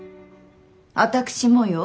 私もよ。